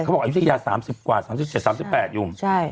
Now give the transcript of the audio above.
เขาบอกว่ายุทธิยา๓๐กว่า๓๗๓๘ยุ่ง